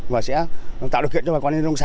và sẽ tạo được kiện cho bà con lên trong xã